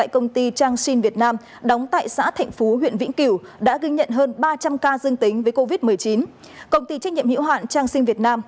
công ty trách nhiệm hữu hạn trang sinh việt nam